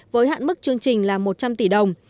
với hạn mức chương trình là một trăm linh tỷ đồng